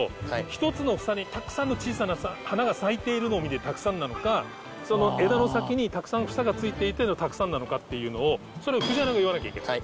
一つの房にたくさんの小さな花が咲いているのを見てたくさんなのか枝の先にたくさん房がついていてのたくさんなのかっていうのをそれを藤原が言わなきゃいけない。